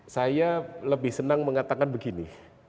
saya lebih senang mengatakan begini